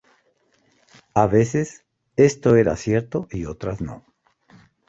A veces esto era cierto, y otras no.